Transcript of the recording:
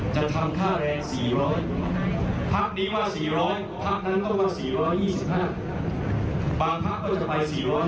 จะทำค่าแรง๔๐๐พักนี้มา๔๐๐พักนั้นต้องมา๔๒๕บางพักก็จะไป๔๐๐